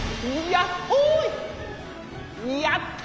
やっほい！